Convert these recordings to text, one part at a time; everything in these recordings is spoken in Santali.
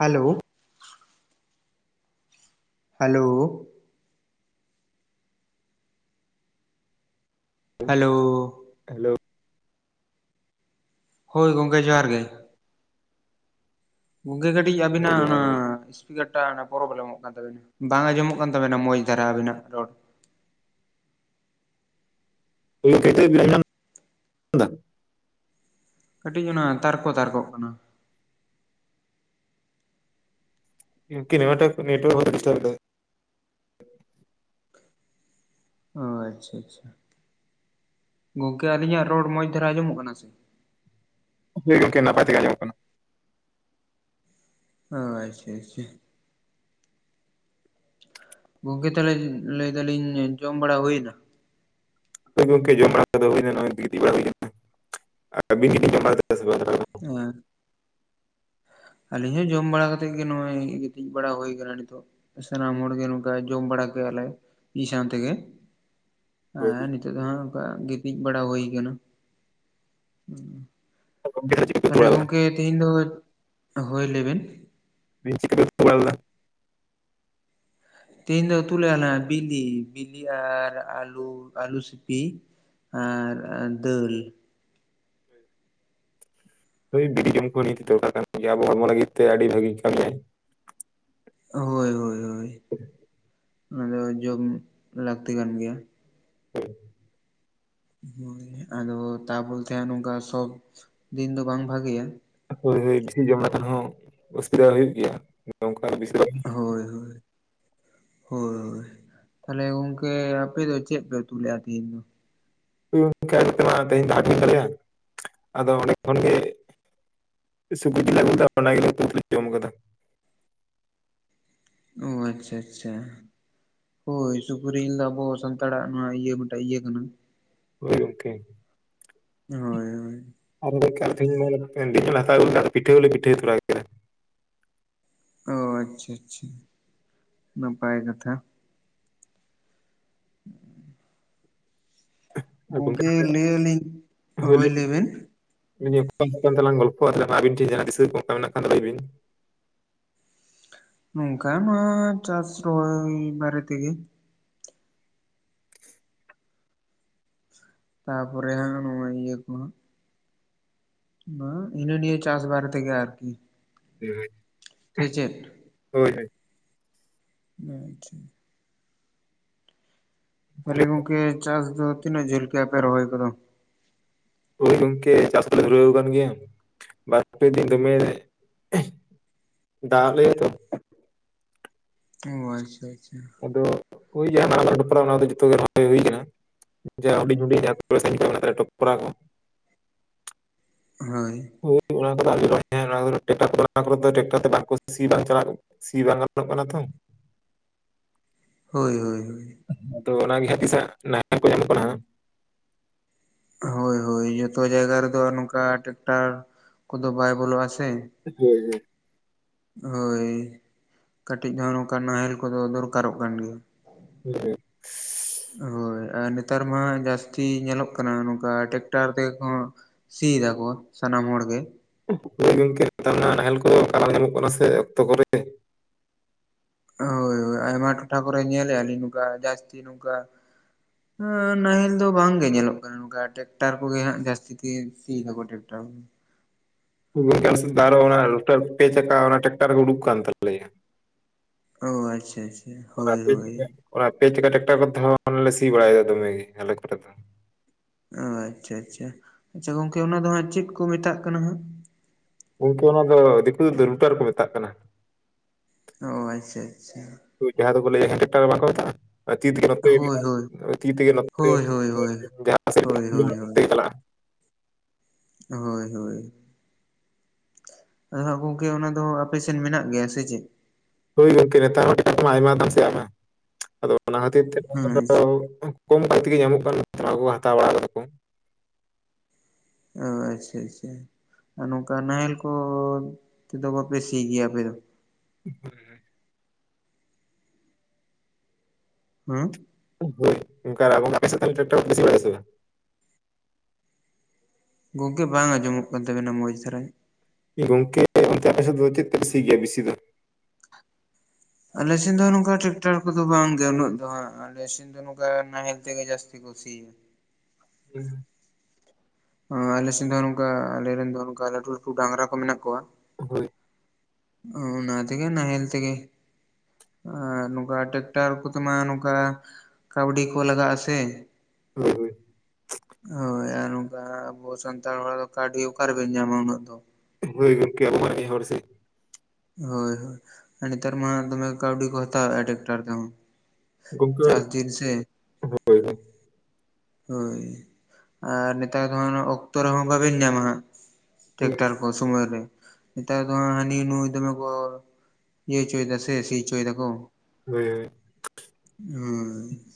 ᱦᱮᱞᱳ ᱦᱮᱞᱳ ᱦᱮᱞᱳ ᱦᱮᱞᱳ ᱦᱳᱭ ᱜᱚᱢᱠᱮ ᱡᱚᱦᱟᱨ ᱜᱮ ᱜᱚᱢᱠᱮ ᱠᱟᱹᱴᱤᱡ ᱦᱮᱸ ᱟᱵᱤᱱᱟᱜ ᱡᱚᱦᱟᱨ ᱜᱮ᱾ ᱚᱱᱟ [unintelligible] ᱯᱨᱚᱵᱞᱮᱢᱚᱜ ᱠᱟᱱ ᱛᱟᱵᱤᱱᱟ ᱵᱟᱝ ᱟᱸᱚᱢᱚᱜ ᱠᱟᱱ ᱛᱟᱵᱮᱱᱟ ᱢᱚᱡᱽ ᱫᱷᱟᱨᱟ ᱟᱵᱤᱱᱟᱜ ᱨᱚᱲ [unintelligible] ᱠᱟᱹᱴᱤᱡ ᱚᱱᱟ ᱛᱟᱨᱠᱚ ᱛᱟᱨᱠᱚᱜ ᱠᱟᱱᱟ ᱤᱱᱠᱤ ᱱᱳᱭᱟᱴᱟᱜ ᱱᱮᱴᱣᱟᱨᱠ ᱦᱚᱭᱛᱚ ᱫᱤᱥᱴᱟᱵ ᱫᱟ ᱚ ᱟᱪᱪᱷᱟ ᱟᱪᱪᱷᱟ ᱜᱚᱝᱠᱮ ᱟᱹᱞᱤᱧᱟᱜ ᱨᱚᱲ ᱢᱚᱸᱡᱽ ᱫᱷᱟᱨᱟ ᱟᱸᱚᱢᱚᱜ ᱠᱟᱱᱟ ᱥᱮ ᱦᱳᱭ ᱜᱚᱝᱠᱮ ᱱᱟᱯᱟᱭ ᱛᱮᱜᱮ ᱟᱸᱡᱚᱢᱚᱜ ᱠᱟᱱᱟ ᱚ ᱟᱪᱪᱷᱟ ᱟᱪᱪᱷᱟ ᱜᱚᱝᱠᱮ ᱛᱟᱦᱚᱞᱮ ᱞᱟᱹᱭᱫᱟᱞᱤᱧ ᱡᱚᱢ ᱵᱟᱲᱟ ᱦᱩᱭᱱᱟ ᱦᱳᱭ ᱜᱚᱢᱠᱮ ᱡᱚᱢ ᱵᱟᱲᱟ ᱦᱩᱭ ᱱᱟ ᱜᱤᱛᱤᱡ ᱵᱟᱲᱟ ᱦᱩᱭ ᱠᱟᱱᱟ ᱟᱵᱤᱱ ᱜᱮᱵᱤᱱ ᱡᱚᱢ ᱵᱟᱲᱟ ᱠᱮᱫᱟ ᱵᱟᱝ ᱦ ᱟᱹᱞᱤᱧ ᱦᱚᱸ ᱡᱚᱢ ᱵᱟᱲᱟ ᱠᱟᱛᱮᱫ ᱜᱮ ᱱᱚᱜᱼᱚᱭ ᱜᱤᱛᱤᱡ ᱵᱟᱲᱟ ᱦᱩᱭ ᱟᱠᱟᱱᱟ ᱱᱤᱛᱚᱜ ᱥᱟᱱᱟᱢ ᱦᱚᱲᱜᱮ ᱱᱚᱝᱠᱟ ᱡᱚᱢ ᱵᱟᱲᱟ ᱠᱮᱫᱼᱟ ᱞᱮ ᱢᱤ ᱥᱟᱶ ᱛᱮᱜᱮ ᱦᱳᱭ ᱦᱮᱸ ᱦᱳᱭ᱾ ᱱᱤᱛᱚᱜ ᱫᱚ ᱦᱟᱸᱜ ᱚᱱᱠᱟ ᱜᱛᱤᱡ ᱵᱟᱲᱟ ᱦᱩᱭ ᱟᱠᱟᱱᱟ [unintelligible] ᱛᱟᱦᱚᱞᱮ ᱜᱚᱝᱠᱮ ᱛᱮᱦᱮᱧ ᱫᱚ ᱦᱳᱭ ᱞᱮᱵᱤᱱ [unintelligible] ᱛᱮᱦᱮᱧ ᱫᱚ ᱩᱛᱩ ᱞᱮᱼᱟ ᱞᱮ ᱵᱤᱞᱤ ᱵᱤᱞᱤ ᱟᱨ ᱟᱞᱩ ᱟᱞᱩ ᱥᱤᱯᱤ ᱟᱨ ᱫᱟᱹᱞ ᱦᱳᱭ ᱵᱤᱞᱤ ᱡᱚᱢ ᱠᱚ ᱱᱤᱛ ᱫᱚᱨᱠᱟᱨ ᱠᱟᱱ ᱜᱮᱭᱟ ᱟᱵᱚ ᱦᱚᱲᱢᱚ ᱞᱟᱹᱜᱤᱫ ᱛᱮ ᱟᱹᱰᱤ ᱵᱷᱟᱹᱜᱤ ᱠᱟᱹᱢᱤᱭᱟᱹ ᱦᱳᱭ ᱦᱳᱭ ᱦᱳᱭ ᱚᱱᱟᱫᱚ ᱡᱚᱢ ᱞᱟᱹᱠᱛᱤ ᱠᱟᱱ ᱜᱮᱭᱟ ᱦᱮᱸ ᱦᱳᱭ ᱟᱫᱚ ᱛᱟ ᱵᱚᱞᱛᱮ ᱦᱟᱸ ᱱᱚᱝᱠᱟ ᱥᱚᱵᱽ ᱫᱤᱱ ᱫᱚ ᱵᱟᱝ ᱵᱷᱟᱜᱮᱭᱟ ᱦᱳᱭ ᱦᱳᱭ ᱵᱤᱥᱤ ᱡᱚᱢ ᱞᱮᱠᱷᱟᱱ ᱦᱚᱸ ᱚᱥᱩᱵᱤᱫᱟ ᱦᱩᱭᱩᱜ ᱜᱮᱭᱟ ᱱᱚᱝᱠᱟ ᱵᱤᱥ ᱦᱳᱭ ᱦᱳᱭ ᱦᱳᱭ ᱛᱟᱦᱚᱞᱮ ᱜᱚᱝᱠᱮ ᱟᱯᱮ ᱫᱚ ᱪᱮᱫ ᱯᱮ ᱩᱛᱩ ᱞᱮᱫ ᱞᱮᱫᱼᱟ ᱛᱮᱦᱮᱧ ᱫᱚ [unintelligible] ᱛᱮᱦᱮᱧ [unintelligible] ᱛᱟᱞᱮᱭᱟ ᱟᱫᱚ ᱚᱸᱰᱮ ᱠᱷᱚᱱᱜᱮ ᱥᱩᱠᱨᱤ ᱡᱤᱞ ᱟᱹᱜᱩ ᱞᱮᱫᱟ ᱚᱱᱟᱜ ᱞᱮ ᱡᱚᱢ ᱠᱟᱫᱟ ᱚ ᱟᱪᱪᱷᱟ ᱟᱪᱪᱷᱟ ᱦᱳᱭ ᱥᱩᱠᱨᱤ ᱡᱮᱞ ᱫᱚ ᱟᱵᱚ ᱥᱟᱱᱛᱟᱲᱟᱜ ᱱᱚᱣᱟ ᱤᱭᱟᱹ ᱢᱤᱫᱴᱟᱝ ᱤᱭᱟᱹ ᱠᱟᱱᱟ ᱦᱳᱭ ᱜᱚᱢᱠᱮ ᱦᱳᱭ ᱦᱳᱭ [unintelligible] ᱚ ᱟᱪᱪᱷᱟ ᱟᱪᱪᱷᱟ ᱱᱟᱯᱟᱭ ᱠᱟᱛᱷᱟ ᱟᱨ ᱜᱚᱝᱠᱮ ᱛᱟᱦᱞᱮ ᱞᱟᱹᱭ ᱟᱹᱞᱤᱧ ᱦᱳᱭ ᱞᱮᱵᱤᱱ [unintelligible] ᱛᱮᱞᱟᱝ ᱜᱚᱞᱯᱚ ᱟᱵᱤᱱ ᱴᱷᱮᱱ ᱡᱟᱦᱟᱸ ᱫᱤᱥᱟᱹ ᱠᱚ ᱚᱱᱠᱟ ᱢᱮᱱᱟᱜ ᱫᱚ ᱞᱟᱹᱭ ᱵᱤᱱ ᱱᱚᱝᱠᱟ ᱱᱚᱣᱟ ᱪᱟᱥ ᱨᱚᱦᱚᱭ ᱵᱟᱨᱮ ᱛᱮᱜᱮ ᱛᱟᱯᱚᱨᱮ ᱦᱟᱸᱜ ᱱᱚᱜᱼᱚᱭ ᱤᱭᱟᱹ ᱠᱚ ᱦᱟᱸᱜ ᱦᱤᱱᱟᱹ ᱱᱤᱭᱟᱹ ᱪᱟᱥ ᱵᱟᱨᱮ ᱛᱮᱜᱮ ᱟᱨᱠᱤ [unintelligible] ᱥᱮ ᱪᱮᱫ ᱦᱳᱭ ᱦᱳᱭ [unintelligible] ᱛᱟᱦᱚᱞᱮ ᱜᱚᱝᱠᱮ ᱪᱟᱥ ᱫᱚ ᱛᱤᱱᱟᱹᱜ ᱡᱷᱟᱹᱞ ᱠᱮᱭᱟ ᱯᱮ ᱨᱚᱦᱚᱭ ᱠᱚᱫᱚ ᱦᱳᱭ ᱜᱚᱢᱠᱮ ᱪᱟᱥ ᱠᱚᱞᱮ ᱫᱷᱩᱨᱟᱣ ᱠᱟᱱ ᱜᱮᱭᱟ ᱵᱟᱨᱯᱮ ᱫᱤᱱ ᱫᱚᱢᱮ ᱫᱟᱜ ᱟᱜ ᱞᱮᱭᱟ ᱛᱚ ᱚ ᱟᱪᱪᱷᱟ ᱟᱪᱪᱷᱟ [unintelligible] ᱡᱚᱛᱷᱚ ᱜᱮ ᱦᱩᱭ ᱟᱠᱟᱱᱟ᱾ ᱡᱟ ᱦᱩᱰᱤᱧ ᱦᱩᱰᱤᱧ ᱚᱲᱟᱜ ᱨᱮ ᱴᱚᱯᱨᱟ ᱠᱚ ᱦᱳᱭ [unintelligible] ᱥᱤ ᱵᱟᱝ ᱜᱟᱱᱚᱜ ᱠᱟᱱᱟ ᱛᱚ ᱦᱳᱭ ᱦᱳᱭ ᱦᱳᱭ ᱟᱫᱚ ᱚᱱᱟᱜᱮ ᱛᱤᱥᱟᱜ ᱱᱟᱦᱮᱞ ᱠᱚ ᱧᱟᱢᱚᱜ ᱠᱟᱱᱟ ᱦᱟᱸᱜ ᱦᱳᱭ ᱦᱳᱭ ᱡᱚᱛᱚ ᱡᱟᱭᱜᱟ ᱨᱮᱫᱚ ᱱᱚᱝᱠᱟ ᱴᱮᱠᱴᱟᱨ ᱠᱚᱫᱚ ᱵᱟᱭ ᱵᱚᱞᱚᱜᱼᱟ ᱥᱮ ᱦᱳᱭ ᱦᱮᱸ ᱦᱳᱭ ᱠᱟᱹᱴᱤᱡ ᱦᱚᱸ ᱱᱚᱝᱠᱟ ᱱᱟᱦᱮᱞ ᱠᱚᱫᱚ ᱫᱚᱨᱠᱟᱨᱚᱜ ᱠᱟᱱ ᱜᱮᱭᱟ ᱦᱮᱸ [unintelligible] [inaudible] ᱦᱳᱭ ᱟᱨ ᱱᱮᱛᱟᱨ ᱢᱟ ᱡᱟᱹᱥᱛᱤ ᱧᱮᱞᱚᱜ ᱠᱟᱱᱟ ᱱᱚᱝᱠᱟ ᱴᱮᱠᱴᱟᱨ ᱛᱮ ᱜᱮ ᱠᱚ ᱥᱤᱭ ᱫᱟ ᱠᱚ ᱥᱟᱱᱟᱢ ᱦᱚᱲ ᱜᱮ ᱜᱚᱢᱠᱮ ᱱᱮᱛᱟᱨ ᱱᱟᱦᱮᱞ ᱠᱚ ᱠᱟᱨ ᱧᱟᱢᱚᱜ ᱠᱟᱱᱟ ᱥᱮ ᱚᱠᱛᱚ ᱠᱚᱨᱮ ᱦᱳᱭ ᱦᱳᱭ ᱟᱭᱢᱟ ᱴᱚᱴᱷᱟ ᱠᱚᱨᱮ ᱧᱮᱞ ᱮᱫᱟᱞᱤᱧ ᱱᱚᱝᱠᱟ ᱡᱟᱹᱥᱛᱤ ᱱᱚᱝᱠᱟ ᱱᱟᱦᱮᱞ ᱫᱚ ᱵᱟᱝ ᱜᱮ ᱧᱮᱞᱚᱜ ᱠᱟᱱᱟ ᱱᱚᱝᱠᱟ ᱴᱮᱠᱴᱟᱨ ᱠᱚᱜᱮ ᱦᱟᱸᱜ ᱡᱟᱹᱥᱛᱤ ᱥᱤ ᱫᱟᱠᱚ ᱴᱮᱠᱴᱟᱨ [unintelligible] ᱳ ᱟᱪᱪᱷᱟ ᱟᱪᱪᱷᱟ ᱚᱱᱟ ᱦᱳᱭ ᱯᱮ ᱦᱳᱭ ᱪᱟᱠᱟ ᱚᱱᱟ ᱯᱮ ᱪᱟᱠᱟ ᱪᱟᱠᱴᱟᱨ ᱠᱚᱛᱮ ᱦᱚ ᱞᱮ ᱥᱤ ᱵᱟᱲᱟᱭᱮᱫᱟ ᱫᱚᱢᱮ ᱜᱮ ᱟᱞᱮᱠ ᱠᱚᱨᱮ ᱫᱚ ᱚ ᱟᱪᱪᱷᱟ ᱟᱪᱪᱷᱟ ᱟᱪᱪᱷᱟ ᱜᱚᱝᱠᱮ ᱚᱱᱟ ᱫᱚ ᱦᱟᱸᱜ ᱪᱮᱫ ᱠᱚ ᱢᱮᱛᱟᱜ ᱠᱟᱱᱟ ᱦᱟᱜ ᱜᱚᱝᱠᱮ ᱚᱱᱟ ᱫᱚ ᱫᱤᱠᱩ ᱫᱚ ᱨᱩᱴᱟᱨ ᱠᱚ ᱢᱮᱛᱟᱜ ᱠᱟᱱᱟ ᱦᱟᱜ ᱚ ᱟᱪᱪᱷᱟ ᱟᱪᱪᱷᱟ ᱦᱩᱭ ᱡᱟᱦᱟ ᱫᱚᱠᱚ ᱞᱟᱭ ᱦᱮᱱᱴᱟᱠᱴᱟᱨ ᱵᱟᱝ ᱠᱚ ᱢᱮᱛᱟᱜ-ᱟ ᱦᱳᱭ ᱦᱳᱭ ᱦᱳᱭ ᱦᱳᱭ ᱦᱳᱭ ᱦᱳᱭ ᱦᱳᱭ [unintelligible] ᱦᱳᱭ ᱦᱳᱭ ᱟᱫᱚᱜᱚᱢᱠᱮ ᱚᱱᱟ ᱫᱚ ᱟᱯᱮ ᱥᱮᱱ ᱢᱮᱱᱟᱜ ᱜᱮᱭᱟ ᱥᱮ ᱪᱮᱫ ᱦᱳᱭ ᱜᱚᱝᱠᱮ ᱱᱮᱛᱟᱨ ᱦᱚ ᱚ [unintelligible] ᱠᱚᱢ ᱠᱟᱜ ᱛᱮᱜᱮ ᱧᱟᱢᱚᱜ ᱠᱟᱱᱟ ᱦᱟᱛᱟᱣ ᱵᱟᱲᱟᱫᱟ ᱠᱚ ᱚᱻ ᱟᱪᱪᱷᱟ ᱟᱪᱪᱷᱟ ᱟᱨ ᱱᱚᱝᱠᱟ ᱱᱟᱦᱮᱞ ᱠᱚ ᱛᱮᱫᱚ ᱵᱟᱯᱮ ᱥᱤ ᱜᱮᱭᱟ ᱟᱯᱮ ᱫᱚ [unintelligible] ᱦᱩᱸ [unintelligible] ᱟᱯᱮ ᱥᱮᱫ ᱫᱚ ᱛᱟᱦᱮᱞᱮ ᱴᱟᱠᱴᱟᱨ ᱛᱮᱯᱮ ᱥᱤ ᱵᱟᱲᱟᱭ ᱫᱟ ᱥᱮ ᱵᱟᱝ ᱜᱚᱢᱠᱮ ᱵᱟᱝ ᱟᱸᱡᱚᱢᱚᱜ ᱠᱟᱱ ᱛᱟᱵᱮᱱᱟ ᱢᱚᱡᱽ ᱫᱷᱟᱨᱟ ᱜᱚᱝᱠᱮ ᱚᱱᱛᱮ ᱟᱯᱮ ᱥᱮᱫ ᱫᱚ ᱪᱮᱫ ᱛᱮᱯᱮ ᱥᱤ ᱜᱮᱭᱟ ᱵᱤᱥᱤ ᱫᱚ ᱟᱞᱮ ᱥᱮᱫ ᱫᱚ ᱱᱚᱝᱠᱟ ᱴᱮᱨᱟᱠᱴᱟᱨ ᱠᱚᱫᱚ ᱵᱟᱝᱜᱮ ᱩᱱᱟᱹᱜ ᱫᱚ ᱦᱟᱸᱜ ᱟᱞᱮ ᱥᱮᱫ ᱫᱚ ᱱᱚᱝᱠᱟ ᱱᱟᱦᱮᱞ ᱛᱮ ᱡᱟᱥᱛᱤ ᱠᱚ ᱥᱮᱭᱟ [unintelligible] ᱟᱞᱮ ᱥᱮᱱ ᱫᱚ ᱱᱚᱝᱠᱟ ᱟᱞᱮ ᱨᱮᱱ ᱫᱚ ᱱᱚᱝᱠᱟ ᱞᱟᱹᱴᱩ ᱞᱟᱹᱴᱩ ᱰᱟᱝᱨᱟ ᱠᱚ ᱢᱮᱱᱟᱜ ᱠᱚᱣᱟ ᱦᱳᱭ ᱚ ᱚᱱᱟ ᱛᱮᱜᱮ ᱱᱟᱦᱮᱞ ᱛᱮᱜᱮ ᱟᱨ ᱱᱚᱝᱠᱟ ᱴᱮᱠᱴᱟᱨ ᱠᱚᱛᱮᱢᱟ ᱱᱚᱝᱠᱟ ᱠᱟᱹᱣᱰᱤ ᱠᱚ ᱞᱟᱜᱟᱜᱼᱟ ᱥᱮ ᱦᱳᱭ ᱦᱳᱭ ᱟᱨ ᱱᱚᱝᱠᱟ ᱟᱵᱚ ᱥᱟᱱᱛᱟᱲ ᱦᱚᱲ ᱫᱚ ᱠᱟᱣᱰᱤ ᱚᱠᱟ ᱨᱮᱵᱤᱱ ᱧᱟᱢᱟ ᱩᱱᱟᱜ ᱫᱚ ᱦᱳᱭ ᱜᱚᱢᱠᱮ [unintelligible] ᱦᱳᱭ ᱦᱳᱭ ᱱᱮᱛᱟᱨ ᱢᱟ ᱫᱚᱢᱮ ᱠᱟᱹᱣᱰᱤ ᱠᱚ ᱦᱟᱛᱟᱣ ᱮᱫ-ᱟ ᱴᱟᱠᱴᱟᱨ ᱛᱮᱦᱚ ᱜᱚᱢᱠᱮ ᱦᱳᱭ ᱟᱨ ᱱᱮᱛᱟᱨ ᱫᱚ ᱦᱟᱸᱜ ᱚᱠᱛᱚ ᱨᱮᱦᱚᱸ ᱵᱟᱵᱮᱱ ᱧᱟᱢᱟ ᱴᱮᱠᱴᱟᱨ ᱚᱥᱚᱢᱚᱭ ᱨᱮ [unintelligible] ᱦᱟᱱᱤ ᱱᱩᱭ ᱫᱚᱢᱮ ᱠᱚ ᱤᱭᱟᱹ ᱪᱚᱭᱫᱟᱭ ᱥᱮ ᱥᱤ ᱦᱪᱚᱭᱫᱟ ᱠᱚ᱾ ᱦᱮᱸ, ᱦᱩᱸ᱾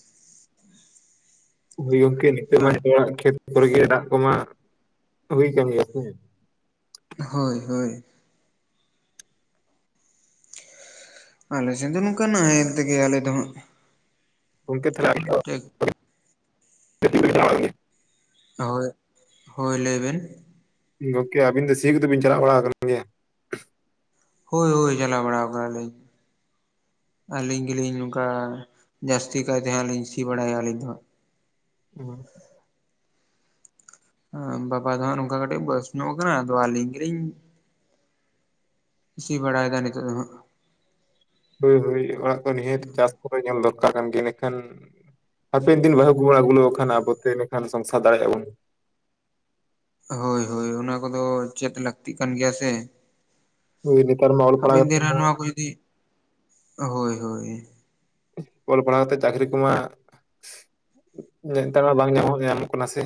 ᱦᱩᱭ ᱜᱚᱝᱠᱮ ᱱᱤᱛᱚᱜ ᱢᱟ ᱦᱳᱭ [unintelligible] ᱠᱷᱮᱛ ᱠᱚᱨᱮ ᱜᱮ ᱫᱟᱜ ᱠᱚ ᱢᱟ ᱦᱩᱭ ᱠᱟᱱ ᱜᱮᱭᱟ ᱥᱮ᱾ ᱦᱳᱭ ᱦᱳᱭ ᱾ ᱟᱞᱮ ᱥᱮᱱ ᱫᱚ ᱱᱚᱩᱠᱟ ᱱᱟᱦᱮᱞ ᱛᱮ ᱜᱮ ᱟᱞᱮ ᱫᱚ ᱱᱚᱦᱟᱜ᱾ ᱜᱚᱝᱠᱮ ᱛᱟᱦᱞᱮ [unintelligible] [unintelligible] [unintelligible] ᱦᱳᱭ ᱦᱳᱭ ᱞᱟᱹᱭ ᱵᱤᱱ ᱜᱚᱝᱠᱮ ᱟᱵᱤᱱ ᱫᱚ ᱥᱤ ᱠᱚᱫᱚ ᱵᱤᱱ ᱪᱟᱞᱟᱣ ᱵᱟᱲᱟ ᱠᱟᱱ ᱜᱮᱭᱟ? ᱦᱳᱭ ᱦᱳᱭ ᱪᱟᱞᱟᱣ ᱵᱟᱲᱟᱣ ᱠᱟᱱᱟᱞᱤᱧ ᱾ ᱟᱹᱞᱤᱧ ᱜᱮᱞᱤᱧ ᱱᱚᱝᱠᱟ ᱡᱟᱹᱥᱛᱤ ᱠᱟᱭ ᱛᱮ ᱦᱟᱸᱜ ᱞᱤᱧ ᱥᱤ ᱵᱟᱲᱟᱭᱟ ᱟᱹᱞᱤᱧ ᱫᱚ᱾ ᱦᱩᱸ ᱾ ᱵᱟᱵᱟ ᱫᱚ ᱦᱟᱸᱜ ᱱᱚᱝᱠᱟ ᱠᱟᱹᱴᱤᱡ ᱵᱟᱭᱮᱥ ᱧᱚᱜ ᱟᱠᱟᱱᱟ ᱟᱫᱚ ᱟᱹᱞᱤᱧ ᱜᱤᱞᱤᱧ, ᱥᱤ ᱵᱟᱲᱟᱭ ᱫᱟ ᱱᱤᱛᱚᱜ ᱫᱚ ᱦᱟᱸᱜ ᱾ ᱦᱳᱭ ᱦᱳᱭ ᱚᱲᱟᱜ ᱠᱚ ᱱᱤᱦᱟᱹᱛ ᱪᱟᱥ ᱠᱚᱫᱚ ᱧᱮᱞ ᱫᱚᱨᱠᱟᱨ ᱠᱟᱱ ᱜᱮᱭᱟ ᱤᱱᱟᱹ ᱠᱷᱟᱱ ᱦᱟᱯᱮᱱ ᱫᱤᱱ ᱵᱟᱹᱦᱩ ᱠᱚᱵᱚ ᱟᱹᱜᱩ ᱞᱮᱠᱚ ᱠᱷᱟᱱ ᱟᱵᱚᱛᱮ ᱤᱱᱟᱠᱷᱟᱱ ᱥᱚᱝᱥᱟᱨ ᱫᱟᱲᱮᱭᱟᱜᱼᱟ ᱵᱚᱱ᱾ ᱦᱳᱭ ᱦᱳᱭ ᱚᱱᱟ ᱠᱚᱫᱚ ᱪᱮᱫ ᱞᱟᱹᱠᱛᱤᱜ ᱠᱟᱱ ᱜᱮᱭᱟ ᱥᱮ ᱾ ᱦᱳᱭ ᱱᱮᱛᱟᱨ ᱢᱟ ᱚᱞ ᱦᱟᱯᱮᱱ ᱯᱟᱲᱦᱟᱣ ᱠᱟᱛᱮ ᱫᱤᱱ ᱨᱮ ᱢᱟ ᱱᱚᱣᱟ ᱠᱚ ᱡᱩᱫᱤ ᱦᱳᱭ ᱦᱳᱭ ᱾ ᱚᱞ ᱯᱟᱲᱦᱟᱣ ᱠᱟᱛᱮᱫ ᱪᱟᱹᱠᱨᱤ ᱠᱚᱢᱟ ᱱᱮᱛᱟᱨ ᱢᱟ ᱵᱟᱝ ᱧᱟᱢᱚᱜ ᱧᱟᱢᱚᱜ ᱠᱟᱱᱟ ᱥᱮ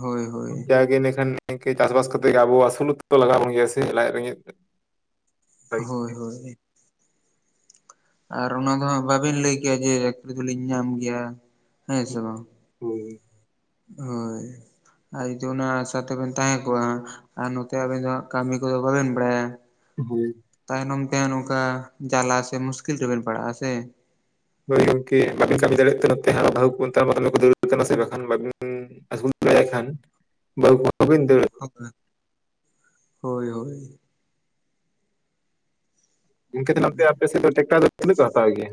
ᱦᱳᱭ ᱦᱳᱭ ᱡᱟᱜᱮ ᱮᱱᱮᱠᱷᱟᱱ, ᱱᱤᱱᱝᱠᱟᱹ ᱪᱟᱥᱵᱟᱥ ᱠᱟᱛᱮᱜ ᱜᱮ ᱟᱵᱚ ᱟᱥᱩᱞᱚᱜ ᱫᱚ ᱞᱟᱜᱟᱣ ᱵᱚᱱ ᱜᱮᱭᱟ ᱥᱮ ᱞᱟᱡ ᱨᱮᱸᱜᱮᱡ ᱞᱟᱹᱜᱤᱫ ᱦᱳᱭ ᱦᱳᱭ᱾ ᱟᱨ ᱚᱱᱟ ᱫᱚ ᱦᱟᱸᱜ ᱵᱟᱵᱤᱱ ᱞᱟᱹᱭ ᱠᱮᱭᱟ ᱡᱮ ᱪᱟᱹᱠᱨᱤ ᱫᱚᱞᱤᱧ ᱧᱟᱢ ᱜᱮᱭᱟ ᱦᱮᱸ ᱥᱮ ᱵᱟᱝ ᱾ [unintelligible] ᱦᱳᱭ ᱟᱨ ᱡᱫᱤ ᱚᱱᱟ ᱟᱥᱟ ᱛᱮᱵᱮᱱ ᱛᱟᱦᱮᱸ ᱠᱚᱜᱼᱟ᱾ ᱟᱨ ᱱᱚᱛᱮ ᱟᱹᱵᱤᱱ ᱫᱚ ᱦᱟᱸᱜ ᱠᱟᱹᱢᱤ ᱠᱚᱫᱚ ᱵᱟᱵᱤᱱ ᱵᱟᱲᱟᱭᱟ᱾ [unintelligible] ᱛᱟᱭᱱᱚᱢ ᱛᱮ ᱱᱚᱝᱠᱟ ᱡᱟᱞᱟ ᱥᱮ ᱢᱩᱥᱠᱤᱞ ᱨᱮᱵᱮᱱ ᱯᱟᱲᱟᱜ-ᱟ ᱥᱮ᱾ ᱦᱳᱭ ᱜᱚᱝᱠᱮ ᱵᱟᱹᱞᱤᱧ ᱠᱟᱹᱢᱤ ᱫᱟᱲᱮᱭᱟᱜ ᱛᱮ ᱱᱚᱛᱮ ᱦᱟᱸᱜ ᱵᱟᱹᱦᱩ ᱠᱚ [unintelligible] ᱵᱟᱹᱵᱤᱱ ᱠᱷᱟᱱ ᱵᱟ ᱜᱳᱵᱤᱱᱫᱚ [inaudible] ᱦᱳᱭ ᱦᱳᱭ ᱾ ᱚᱱᱠᱟᱹᱛᱮ ᱦᱮᱱᱟᱜ ᱟᱯᱮ ᱥᱮᱫ ᱫᱚ ᱴᱮᱠᱴᱟᱨ ᱫᱚ ᱛᱤᱱᱟᱹᱜ ᱠᱟ ᱦᱟᱛᱟᱣ ᱜᱮᱭᱟ?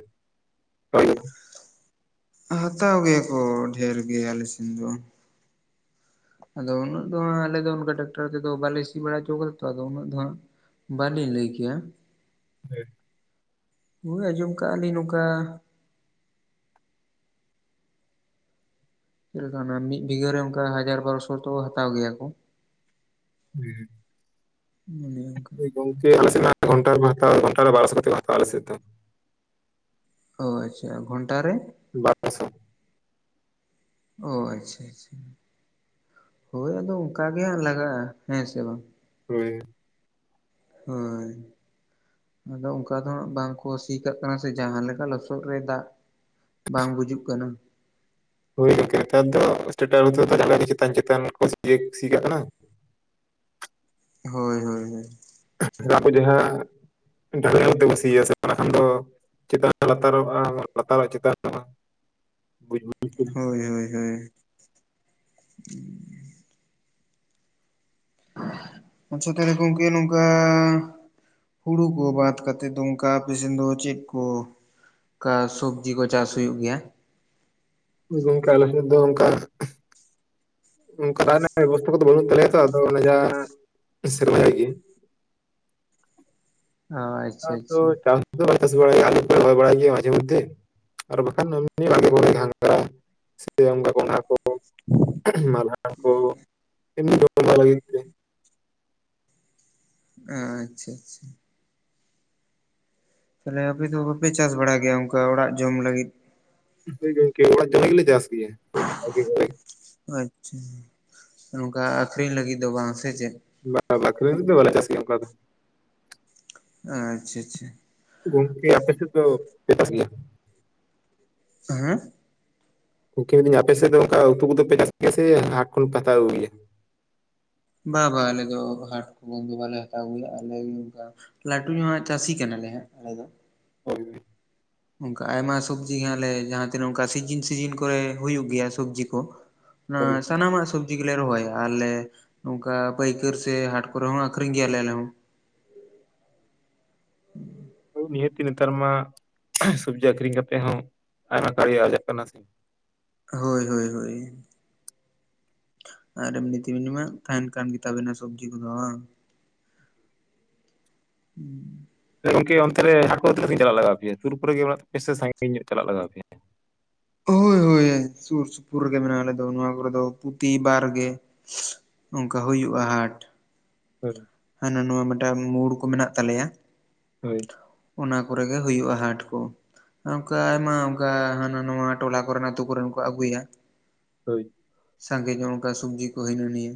ᱦᱟᱛᱟᱣ ᱜᱮᱠᱚ ᱰᱷᱮᱨ ᱜᱮ ᱟᱞᱮ ᱥᱮᱱ ᱫᱚ ᱾ ᱟᱫᱚ ᱩᱱᱟᱹᱜ ᱫᱚ ᱟᱞᱮ ᱫᱚ ᱚᱱᱠᱟ ᱴᱟᱠᱴᱟᱨ ᱛᱮᱫᱚ ᱵᱟᱞᱮ ᱥᱤ ᱵᱟᱲᱟ ᱦᱚᱪᱚ ᱠᱟᱫᱟ ᱛᱚ, ᱟᱫᱚ ᱩᱱᱟᱹᱜ ᱫᱚ ᱦᱟᱸᱜ ᱵᱟᱞᱤᱧ ᱞᱟᱹᱭ ᱠᱮᱭᱟ᱾ [inaudible] ᱦᱳᱭ ᱟᱸᱡᱚᱢ ᱠᱟᱜ-ᱟ ᱞᱤᱧ ᱱᱚᱝᱠᱟᱼᱼ ᱪᱮᱫ ᱞᱮᱠᱟ ᱚᱱᱟ ᱢᱤᱫ ᱵᱤᱜᱷᱟᱹ ᱨᱮ ᱚᱝᱠᱟ ᱦᱟᱡᱟᱨ ᱵᱟᱨᱚᱥᱚ ᱛᱚ ᱦᱟᱛᱟᱣ ᱜᱮᱭᱟ ᱠᱚ ᱾ [unintelligible] [inaudible] ᱦᱳᱭ ᱜᱚᱝᱠᱮ ᱟᱞᱮᱥᱮᱫ ᱢᱟ ᱜᱷᱚᱱᱴᱟ ᱨᱮᱢᱟ ᱦᱟᱛᱟᱣᱟ ᱜᱚᱱᱴᱟ ᱨᱮ ᱵᱟᱨᱚᱥᱚ ᱠᱟᱛᱮᱫ ᱠᱚ ᱦᱟᱛᱟᱣᱟ ᱟᱞᱮ ᱥᱮᱫ ᱫᱚ ᱾ ᱚ ᱟᱪᱪᱷᱟ ᱜᱷᱚᱱᱴᱟ ᱨᱮ [unintelligible] ᱚ ᱟᱪᱪᱷᱟ ᱟᱪᱪᱷᱟ ᱦᱳᱭ ᱟᱫᱚ ᱚᱱᱠᱟ ᱜᱮ ᱦᱟᱸᱜ ᱞᱟᱜᱟᱜᱼᱟ ᱦᱮᱸ ᱥᱮ ᱵᱟᱝ᱾ ᱦᱳᱭ᱾ ᱦᱮᱸ ᱟᱫᱚ ᱚᱱᱠᱟ ᱫᱚ ᱦᱜ ᱵᱟᱝ ᱠᱚ ᱥᱤ ᱠᱟᱜ ᱠᱟᱱᱟ ᱥᱮ ᱡᱟᱦᱟᱸ ᱞᱮᱠᱟ ᱞᱚᱥᱚᱫ ᱨᱮ ᱫᱟᱜ ᱵᱟᱝ ᱜᱩᱡᱩᱜ ᱠᱟᱱᱟ ᱦᱳᱭ ᱜᱠᱮ ᱱᱮᱛᱟᱨ ᱫᱚ ᱮᱥᱴᱟ ᱴᱟᱭᱳᱢ ᱨᱫᱚ ᱪᱮᱛᱟᱱ ᱪᱮᱛᱟᱱ ᱠᱚ ᱥᱤ ᱠᱟᱜ ᱠᱟᱱᱟ ᱦᱳᱭ ᱦᱳᱭ ᱦᱳᱭ ᱟᱵᱮ ᱡᱟᱦᱟᱸ ᱰᱮᱞ ᱛᱮ ᱵ ᱥᱤᱭᱟ ᱥᱮ ᱚᱱᱟ ᱠᱷᱟᱱ ᱫᱚ [inaudible] ᱪᱮᱛ ᱨᱮᱱᱟᱜ ᱞᱟᱛᱟᱨᱚᱜᱼᱟ ᱞᱟᱛᱟᱨᱚ-ᱜ ᱪᱮᱛᱟᱱ ᱵᱩᱡ ᱢᱮ ᱦᱳᱭ ᱦᱳᱭ ᱦᱳᱭ ᱟᱪᱪᱷᱟ ᱛᱟᱦᱚᱞᱮ ᱜᱚᱝᱠᱮ ᱱᱚᱝᱠᱟ ᱦᱩᱲᱩ ᱠᱚ ᱵᱟᱫ ᱠᱟᱛᱮ ᱫᱚ ᱚᱝᱠᱟ ᱟᱯᱮ ᱥᱮᱱ ᱫᱚ ᱪᱮᱫ ᱠᱚ ᱚᱱᱠᱟ ᱥᱚᱵᱡᱤ ᱠᱚ ᱪᱟᱥ ᱦᱩᱭᱩᱜ ᱜᱮ ᱭᱟ ᱦᱳᱭ ᱜᱚᱝᱠᱮ ᱟᱞᱮᱥᱮᱫ ᱫᱚ ᱚᱝᱠᱟ ᱚᱝᱠᱟ [unintelligible] ᱵᱮᱵᱚᱥᱛᱟ ᱠᱚᱫᱚ ᱵᱟᱹᱱᱩᱜ ᱛᱟᱞᱮᱭᱟ ᱛᱚ ᱟᱫᱚ ᱚᱱᱟ ᱡᱟᱦᱟᱸ ᱥᱮᱨᱢᱟ ᱡᱟᱹᱲᱤ ᱜᱮ ᱾ ᱚ ᱟᱪᱪᱷᱟ ᱟᱫᱚ ᱟᱪᱪᱷᱟ ᱪᱟᱥ ᱵᱟᱟᱥ ᱵᱟᱲᱞ ᱵᱟᱲᱟᱭ ᱜᱮᱭᱟ ᱢᱟᱡᱮ ᱢᱚᱫᱫᱮ ᱟᱨ ᱵᱟᱠᱷᱟᱱ ᱵ ᱥᱮ ᱚᱱᱠᱟ ᱠᱚᱱᱰᱦᱟ ᱠᱚ ᱢᱟᱞᱦᱟᱱ ᱠᱚ ᱮᱢᱱᱤ [unintelligible] ᱟᱪᱪᱷᱟ ᱟᱪᱪᱷᱟ ᱛᱟᱦᱚᱞᱮ ᱟᱯᱮ ᱫᱚ ᱵᱟᱯᱮ ᱪᱟᱥ ᱵᱟᱲᱟ ᱜᱮᱭᱟ ᱚᱱᱠᱟ ᱚᱲᱟᱜ ᱡᱚᱢ ᱞᱟᱹᱜᱤᱫ ᱦᱳᱭ ᱜᱚᱝᱠᱮ ᱚᱲᱟᱜ ᱫᱟᱲᱮ ᱜᱮᱞᱮ ᱪᱟᱥ ᱜᱤᱭᱟ ᱟᱪᱪᱷᱟ ᱱᱚᱝᱠᱟ ᱟᱠᱷᱨᱤᱧ ᱞᱟᱹᱜᱤᱫ ᱫᱚ ᱵᱟᱝ ᱥᱮ ᱪᱮᱫ ᱞᱟᱛᱟᱨ [inaudible] ᱵᱟᱞᱮ ᱪᱟᱥ ᱜᱮᱭᱟ ᱚᱱᱠᱟ ᱫᱚ ᱟᱪᱪᱷᱟ ᱟᱪᱪᱷᱟ ᱜᱚᱝᱠᱮ ᱟᱯᱮ ᱥᱮᱫ ᱫᱚ ᱠᱚ ᱪᱟᱥ ᱜᱤᱭᱟ ᱦᱮᱸ ᱩᱠᱫᱤᱧ ᱟᱯᱮᱥᱮᱫ ᱫᱚ ᱚᱱᱠᱟ ᱩᱛᱩ ᱠᱚᱫ ᱯᱮ ᱪᱟᱥ ᱥᱮ ᱦᱟᱴ ᱠᱷᱚᱱ ᱯᱮ ᱦᱟᱛᱟᱣ ᱟᱹᱜᱩᱭᱟ ᱜᱭᱟ ᱵᱟ ᱵᱟ ᱟᱞᱮ ᱫᱚ ᱦᱟᱴ ᱠᱚᱯᱮ ᱫᱚ ᱵᱟᱞᱮ ᱦᱟᱛᱟᱣ ᱟᱹᱜᱩᱭᱟ ᱟᱞᱮᱚᱱ ᱞᱟᱹᱴᱩ ᱧᱚᱜ ᱪᱟᱹᱥᱤ ᱠᱟᱱᱟᱞᱮ ᱦᱟᱸᱜ ᱟᱞᱮ ᱫᱚ ᱦᱳᱭ ᱚᱱᱠᱟ ᱟᱭᱢᱟ ᱥᱚᱵᱽᱡᱤ ᱜᱮᱞᱮ ᱡᱟᱦᱟᱸ ᱛᱤᱱᱟᱹᱜ ᱚᱱᱠᱟ ᱥᱤᱡᱤᱱ ᱥᱤᱡᱤᱱ ᱠᱚ ᱨᱮ ᱦᱩᱭᱩᱜ ᱜᱮᱭᱟ ᱥᱚᱵᱡᱤ ᱠᱚ ᱦᱳᱭ ᱥᱟᱱᱟᱢᱟ ᱥᱩ ᱥᱡᱤ ᱜᱮᱞᱮ ᱨᱚᱦᱚᱭᱟ ᱟᱞᱮ ᱱᱚᱝᱠᱟ ᱯᱟᱹᱭᱠᱟᱹᱨ ᱥᱮ ᱦᱟᱴ ᱠᱚᱨᱮ ᱦᱚᱸ ᱟᱠᱷᱨᱤᱧ ᱜᱮᱭᱟᱞᱮ ᱟᱞᱮ ᱦᱚᱸ ᱱᱤᱦᱟᱹᱛᱤ ᱱᱮᱛᱟᱨ ᱢᱟ ᱥᱚᱵᱡᱤ ᱟᱠᱷᱨᱤᱧ ᱠᱟᱛᱮᱜ ᱦᱚᱸ ᱟᱭᱢᱟ ᱠᱟᱨᱤᱡ ᱟᱡᱟᱜ ᱠᱟᱱᱟ ᱥᱮ ᱦᱳᱭ ᱦᱳᱭ ᱦᱳᱭ ᱟᱨ ᱮᱢᱱᱤ ᱛᱤᱢᱱᱤ ᱢᱟ ᱛᱟᱦᱮᱱ ᱠᱟᱱ ᱜᱮᱛᱟ ᱵᱮᱱᱟ ᱥᱚᱵᱡᱤ ᱠᱚ ᱫᱚ ᱵᱟᱝ ᱦᱩᱸ ᱜᱚᱢᱠᱮ ᱚᱱᱛᱮ ᱨᱮ ᱦᱟᱴ ᱠᱚ ᱫᱚ ᱛᱤᱱᱟᱹᱜ ᱥᱟᱜᱤᱧ ᱪᱟᱞᱟᱜ ᱞᱟᱜᱟᱣ ᱟᱯᱮᱭᱟ ᱥᱩᱨ ᱠᱚᱨᱮ ᱜᱮ ᱢᱮᱱᱟᱜ ᱛᱯᱮᱭᱟ ᱥᱮ ᱥᱟᱺᱜᱤᱧ ᱧᱚᱜ ᱪᱟᱞᱟᱜ ᱞᱟᱜᱟᱣ ᱯᱮᱭᱟ ᱦᱳᱭ ᱦᱳᱭ ᱥᱩᱨ ᱥᱩᱯᱩᱨ ᱨᱮ ᱜᱮ ᱢᱮᱱᱟᱜᱼᱟ ᱟᱞᱮ ᱫᱚ ᱱᱚᱣᱟ ᱠᱚ ᱨᱮ ᱫᱚ ᱯᱨᱚᱛᱤ ᱵᱟᱨ ᱜᱮ ᱚᱱᱠᱟ ᱦᱩᱭᱩᱜᱼᱟ ᱦᱟᱴ ᱦᱮ ᱦᱟᱱᱟ ᱱᱚᱣᱟ ᱢᱤᱫᱴᱟᱝ ᱢᱳᱲ ᱠᱚ ᱢᱮᱱᱟᱜ ᱛᱟᱞᱮᱭᱟ ᱦᱳᱭ ᱚᱱᱟ ᱠᱚᱨᱮ ᱜᱮ ᱦᱩᱭᱩᱜᱼᱟ ᱦᱟᱴ ᱠᱚ ᱚᱱᱠᱟ ᱟᱭᱢᱟ ᱚᱱᱠᱟ ᱦᱟᱱᱟ ᱱᱚᱶᱟ ᱴᱚᱞᱟ ᱠᱚᱨᱮᱱ ᱟᱹᱛᱩᱳ ᱠᱚᱨᱮᱱ ᱠᱚ ᱟᱹᱜᱩᱭᱟ ᱦᱳᱭ ᱥᱟᱸᱜᱮ ᱧᱚᱜ ᱚᱱᱠᱟ ᱥᱚᱵᱡᱤ ᱠᱚ ᱦᱱᱟᱹ ᱱᱤᱭᱟᱹ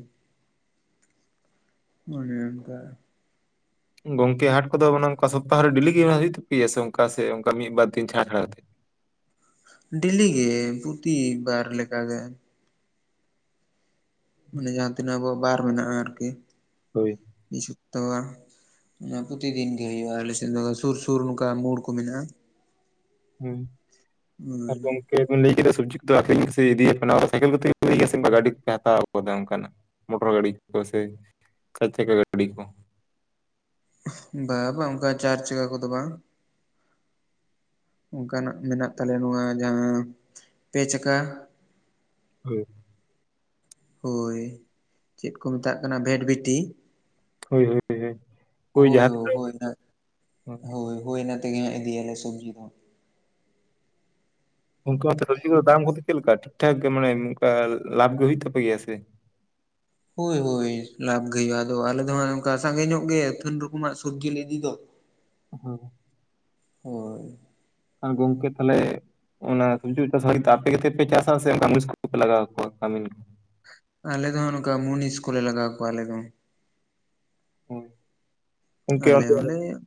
ᱢᱟᱱᱮ ᱚᱱᱠᱟ ᱜᱚᱝᱠᱮ ᱦᱟᱴ ᱠᱚ ᱫᱚ ᱚᱱᱠᱟ ᱥᱚᱯᱛᱟ ᱦᱚᱹ ᱨᱮ ᱰᱮᱞᱤ ᱜᱮ ᱦᱩᱭᱩᱜ ᱛᱚᱯᱮ ᱜᱮᱭᱟ ᱥᱮ ᱚᱱᱠᱟ ᱥᱮ ᱚᱱᱠᱟ ᱢᱤᱫ ᱵᱟᱨ ᱫᱤᱱ ᱪᱷᱟᱲ ᱪᱷᱟᱲ ᱛᱮ ᱰᱮᱞᱤᱜ ᱜᱮ ᱯᱨᱚᱛᱤ ᱵᱟᱨ ᱞᱮᱠᱟ ᱜᱮ ᱢᱟᱱᱮ ᱡᱟᱦᱟᱸ ᱛᱤᱱᱟᱹᱜ ᱟᱵᱚᱣᱟᱜ ᱵᱟᱨ ᱢᱮᱱᱟᱜᱼᱟ ᱟᱨᱠᱤ ᱦᱳᱭ ᱵᱤᱫ ᱥᱩᱯᱛᱟ ᱜᱟᱱ ᱚᱱᱟ ᱯᱨᱚᱛᱤ ᱫᱤᱱ ᱜᱮ ᱦᱩᱭᱩᱜᱼᱟ ᱟᱞᱮᱥᱮᱫ ᱫᱚ ᱥᱩᱨ ᱥᱩᱨ ᱱᱚᱝᱠᱟ ᱢᱳᱲ ᱠᱚ ᱢᱮᱱᱟᱜᱼᱟ ᱦᱩᱸ ᱟᱨ ᱠᱚᱢ ᱞᱟᱹᱭ ᱠᱮᱫᱟ ᱥᱚᱵᱡᱤ ᱤᱫᱤ ᱦᱩᱭᱩᱜ ᱠᱟᱱᱟ ᱥᱟᱭᱠᱮᱞ ᱛᱮᱥᱮ ᱜᱟᱹᱰᱤ ᱯᱮ ᱦᱟᱛᱟᱣ ᱟᱠᱟᱫᱟ ᱚᱱᱠᱟᱱᱟᱜ ᱢᱳᱴᱚᱨ ᱜᱟᱹᱰᱤ ᱠᱚ ᱥᱮ ᱪᱟᱨ ᱪᱟᱠᱟ ᱜᱟᱹᱰᱤ ᱠᱚ ᱵᱟᱝ ᱵᱟᱝ ᱚᱱᱠᱟ ᱪᱟᱨ ᱪᱟᱠᱟ ᱠᱚᱫᱚ ᱵᱟᱝ ᱚᱱᱠᱟᱱᱟᱜ ᱢᱮᱱᱟᱜ ᱛᱟᱞᱮᱭᱟ ᱱᱚᱣᱟ ᱡᱟᱦᱟᱸ ᱯᱮ ᱪᱟᱠᱟ ᱦᱩᱸ ᱦᱳᱭ ᱪᱮᱫ ᱠᱚ ᱢᱮᱛᱟᱜ ᱠᱟᱱᱟ ᱵᱷᱮᱴᱵᱤᱴᱤ ᱦᱳᱭ ᱦᱳᱭ ᱳᱭ ᱦᱳᱭ ᱡᱟᱦᱟᱸ ᱛᱤᱱᱟᱹᱜ ᱦᱳᱭ ᱚᱱᱟ ᱦᱮᱸ ᱦᱳᱭ ᱦᱳᱭ ᱚᱱᱟ ᱛᱮᱜᱮ ᱤᱫᱤᱭᱟᱞᱮ ᱥᱚᱵᱡᱤ ᱫᱚ ᱚᱱᱠᱟ ᱥᱚᱵᱽᱡᱤ ᱠᱚ ᱫᱟᱢ ᱠᱚᱫᱚ ᱪᱮᱫ ᱞᱮᱠᱟ ᱴᱷᱤᱠ ᱴᱷᱟᱠ ᱜᱮ ᱢᱟᱱᱮ ᱚᱱᱠᱟ ᱞᱟᱵᱷ ᱜᱮ ᱦᱩᱭᱩᱜ ᱛᱟᱯᱮ ᱜᱮᱭᱟ ᱥᱮ ᱦᱳᱭ ᱦᱳᱭ ᱞᱟᱵᱷ ᱜᱮ ᱦᱩᱭᱩᱜᱼᱟ ᱟᱫᱚ ᱟᱞᱮ ᱫᱚ ᱦᱟᱜ ᱚᱱᱠᱟ ᱥᱟᱸᱜᱮ ᱧᱚᱜ ᱜᱮ ᱟᱹ ᱛᱷᱟᱹᱱ ᱨᱚᱠᱚᱢᱟᱜ ᱥᱚᱵᱽᱡᱤ ᱞᱮ ᱤᱫᱤ ᱫᱚ ᱦᱮᱸ ᱦᱳᱭ ᱜᱚᱝᱠᱮ ᱛᱟᱦᱚᱞᱮ ᱚᱱᱟ ᱥᱚᱵᱡᱤ ᱠᱚ ᱟᱯᱮ ᱠᱚᱛᱮ ᱯᱮ ᱪᱟᱥᱟ ᱥᱮ ᱢᱩᱱᱤᱥ ᱠᱚᱯᱮ ᱞᱟᱜᱟᱣ ᱠᱚᱣᱟ ᱠᱟᱢᱤᱱ ᱠᱚ ᱟᱞᱮ ᱫᱚ ᱱᱚᱝᱠᱟ ᱢᱩᱱᱤᱥ ᱠᱚᱞᱮ ᱞᱟᱜᱟᱣ ᱠᱚᱣᱟ ᱟᱞᱮ ᱫᱚ ᱦᱳᱭ ᱜᱚᱝᱠᱮ ᱟᱞᱮ ᱚᱱᱛᱮ ᱦᱚᱸᱞᱮ